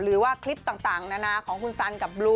หรือว่าคลิปต่างนานาของคุณสันกับบลู